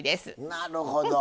なるほど。